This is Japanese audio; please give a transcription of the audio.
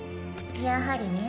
やはりね。